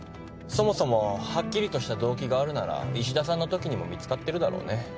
そもそもはっきりとした動機があるなら衣氏田さんのときにも見つかってるだろうね。